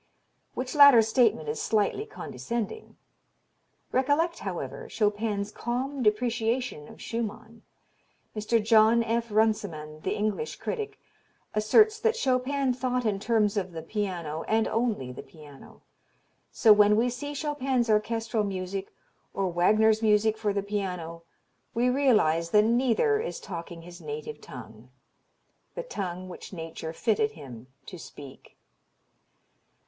Which latter statement is slightly condescending. Recollect, however, Chopin's calm depreciation of Schumann. Mr. John F. Runciman, the English critic, asserts that "Chopin thought in terms of the piano, and only the piano. So when we see Chopin's orchestral music or Wagner's music for the piano we realize that neither is talking his native tongue the tongue which nature fitted him to speak."